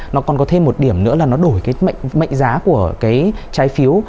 nó còn có thêm một điểm nữa là nó đổi cái mệnh giá của cái trái phiếu